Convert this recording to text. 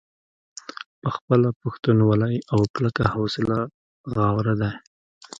پۀ خپله پښتونولۍ او کلکه حوصله غاوره دے ۔